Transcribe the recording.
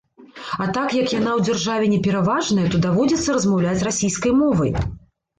А так як яна ў дзяржаве не пераважная, то даводзіцца размаўляць расійскай мовай.